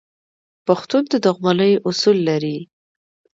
پښتون د دښمنۍ اصول لري.